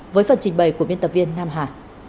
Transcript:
với phần trình bày của biên tập viên nam hà